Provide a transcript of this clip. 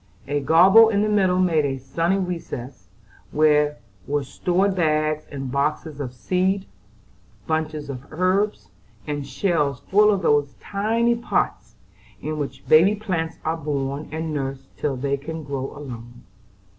A gable in the middle made a sunny recess, where were stored bags and boxes of seed, bunches of herbs, and shelves full of those tiny pots in which baby plants are born and nursed till they can grow alone.